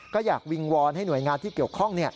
ก็อยากวิงวอนให้หน่วยงานที่เกี่ยวข้อง